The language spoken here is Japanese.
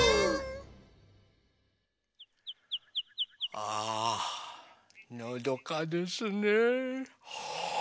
ああのどかですねえ。